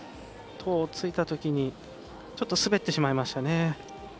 トーをついたときにちょっと滑ってしまいました。